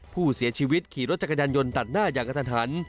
ผู้เสียชีวิตขี่รถจักรยานยนต์ตัดหน้าอย่างกระทันหัน